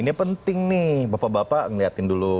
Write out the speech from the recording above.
ini penting nih bapak bapak ngeliatin dulu